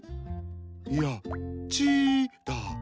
いや「ち」だ。